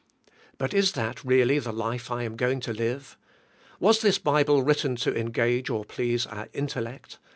But is that really the life I am going to live? was this Bible written to engage or please our intellect?